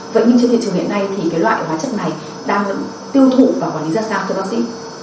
vậy nhưng trên thị trường hiện nay thì loại hóa chất này đang tiêu thụ và quản lý ra sao cho bác sĩ